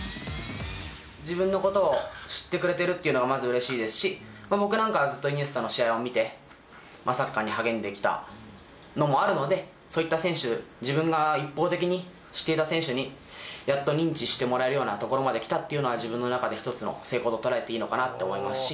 自分のことを知ってくれてるっていうのはまずうれしいですし、僕なんかはずっと、イニエスタの試合を見て、サッカーに励んできたのもあるので、そういった選手、自分が一方的に知っていた選手に、やっと認知してもらえるようなところまで来たっていうのは、自分の中で一つの成功と捉えていいのかなと思いますし。